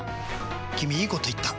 君いいこと言った！